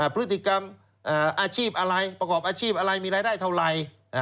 พฤติกรรมอาชีพอะไรประกอบอาชีพอะไรมีรายได้เท่าไหร่